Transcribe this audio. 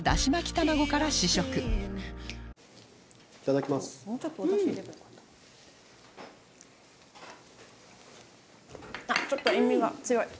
あっちょっと塩味が強い。